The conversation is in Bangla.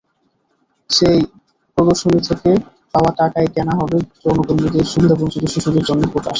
সেই প্রদর্শনী থেকে পাওয়া টাকায় কেনা হবে যৌনকর্মীদের সুবিধাবঞ্চিত শিশুদের জন্য পোশাক।